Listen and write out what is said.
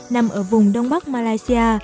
nằm ở vùng đông bắc malaysia